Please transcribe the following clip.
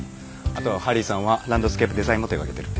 あとハリーさんはランドスケープデザインも手がけてる。